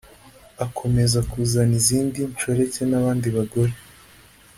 akomeza kuzana izindi nshoreke n’abandi bagore